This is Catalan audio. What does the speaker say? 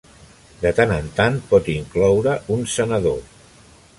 De tant en tant, pot incloure un senador.